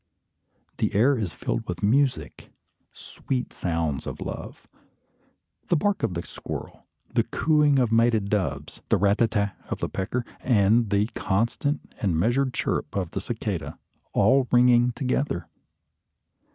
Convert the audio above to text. The air is filled with music: sweet sounds of love. The bark of the squirrel, the cooing of mated doves, the "rat ta ta" of the pecker, and the constant and measured chirrup of the cicada, are all ringing together.